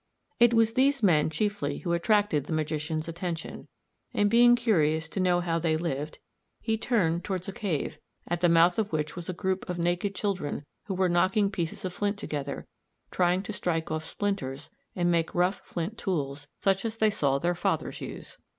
It was these men chiefly who attracted the magician's attention, and being curious to know how they lived, he turned towards a cave, at the mouth of which was a group of naked children who were knocking pieces of flint together, trying to strike off splinters and make rough flint tools, such as they saw their fathers use.